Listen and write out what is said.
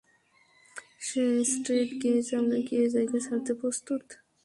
Straight gaze, আমরা কি এ জায়গা ছাড়তে প্রস্তুত?